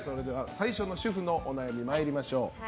最初の主婦のお悩み参りましょう。